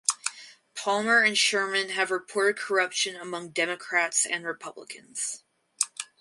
Palmer and Sherman have reported corruption among Democrats and Republicans.